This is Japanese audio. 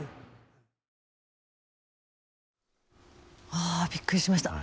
あびっくりしました。